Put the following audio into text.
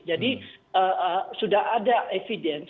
jadi sudah ada evidence sudah ada benar benar evidence